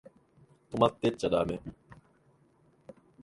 泊まってっちゃだめ？